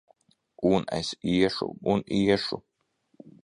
Un es iešu un iešu!